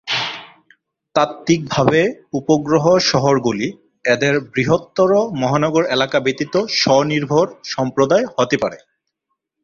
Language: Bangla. তাত্ত্বিকভাবে, উপগ্রহ শহরগুলি এদের বৃহত্তর মহানগর এলাকা ব্যতীত স্ব-নির্ভর সম্প্রদায় হতে পারে।